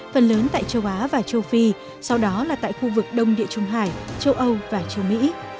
phần lớn tại châu á và châu phi sau đó là tại khu vực đông địa trung hải châu âu và châu mỹ